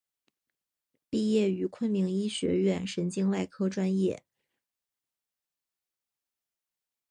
毕业于昆明医学院神经外科专业。